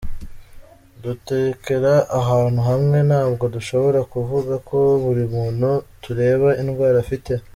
Dutekera ahantu hamwe ntabwo dushobora kuvuga ko buri muntu tureba indwara afite”.